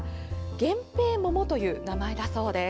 源平桃という名前だそうです。